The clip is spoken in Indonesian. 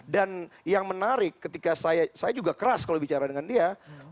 dan yang menarik ketika saya saya juga keras kalau bicara dengan dia